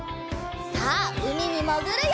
さあうみにもぐるよ！